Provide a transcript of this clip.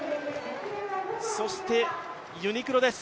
そしてユニクロです。